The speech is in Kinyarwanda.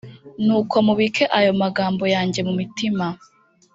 nuko mubike ayo magambo yanjye mu mitima